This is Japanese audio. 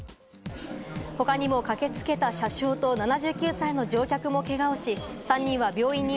他にも駆けつけた車掌と、７９歳の乗客もけがをし、３人は病院に